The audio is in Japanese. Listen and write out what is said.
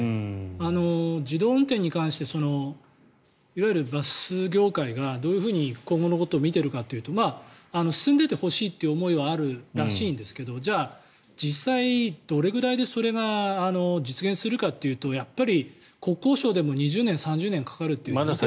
自動運転に関していわゆるバス業界がどういうふうに今後のことを見ているかというと進んでってほしいという思いはあるらしいんですがじゃあ、実際どれぐらいでそれが実現するかというとやっぱり国交省でも２０年、３０年かかると。